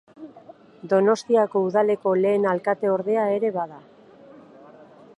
Donostiako udaleko lehen alkate-ordea ere bada.